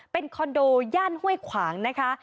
เป็นคอนโดย่านห้วยขวางนะคะ